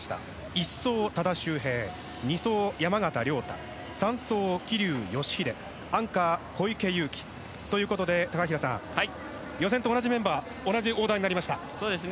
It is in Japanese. １走、多田修平２走、山縣亮太３走、桐生祥秀アンカー、小池祐貴ということで高平さん、予選と同じメンバーオーダーになりました。